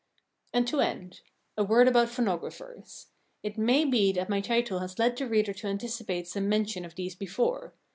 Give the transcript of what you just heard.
And to end, a word about Phonographers. It may be that my title has led the reader to anticipate some mention of these before.